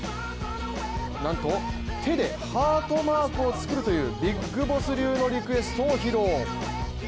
なんと、手でハートマークを作るというビッグボス流のリクエストを披露。